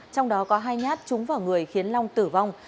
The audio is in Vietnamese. trong đó có hai nhát trúng vào người khiến long tử vong